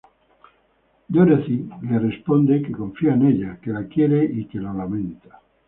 Dorothy le responde que confía en ella, que la quiere y que lo lamenta.